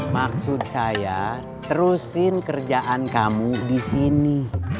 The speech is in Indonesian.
maksud saya terusin kerjaan kamu di sini